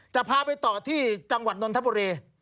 จะพาไปต่อที่จังหวัดนนทบุรี